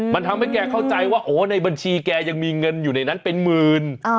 มันทำให้แกเข้าใจว่าโอ้ในบัญชีแกยังมีเงินอยู่ในนั้นเป็นหมื่น